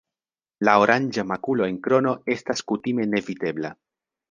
La oranĝa makulo en krono estas kutime nevidebla.